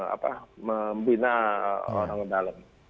apa membina orang dalam